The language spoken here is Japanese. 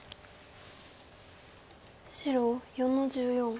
白４の十四。